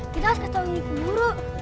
kita harus ketahui guru